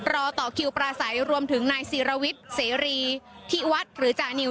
รอต่อคิวปราศัยรวมถึงนายศิรวิทย์เสรีที่วัดหรือจานิว